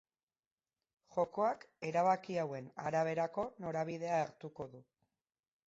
Jokoak, erabaki hauen araberako norabidea hartuko du.